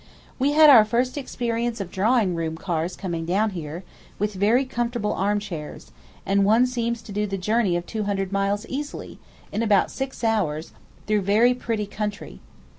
We had our first experience of drawing room cars coming down here, with very comfortable arm chairs, and one seems to do the journey of 200 miles easily, in about six hours, through very pretty country.